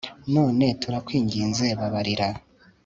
none turakwinginze, babarira